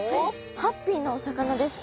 ハッピーなお魚ですか。